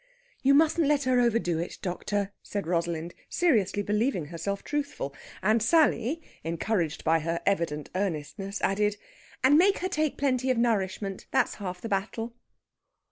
"You mustn't let her overdo it, doctor," said Rosalind, seriously believing herself truthful. And Sally, encouraged by her evident earnestness, added, "And make her take plenty of nourishment. That's half the battle."